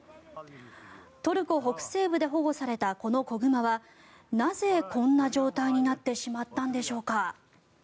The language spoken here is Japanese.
トルコ北西部で保護されたこの子熊はなぜこんな状態になってしまったんでしょうか。